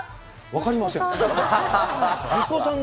分かりません。